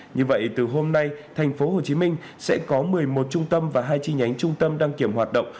như vậy từ hôm nay tp hcm sẽ có một mươi một trung tâm và hai chi nhánh trung tâm đăng kiểm hoạt động